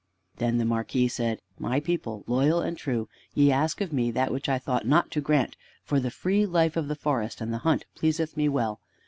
Then the Marquis said: "My people, loyal and true, ye ask of me that which I thought not to grant, for the free life of the forest and the hunt pleaseth me well.